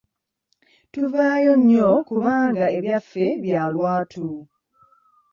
Tuvaayo nnyo kubanga ebyaffe bya lwatu.